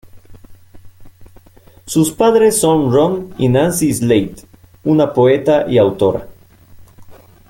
Sus padres son Ron y Nancy Slate, una poeta y autora.